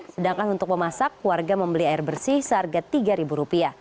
sedangkan untuk memasak warga membeli air bersih seharga rp tiga